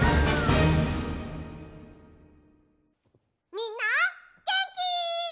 みんなげんき？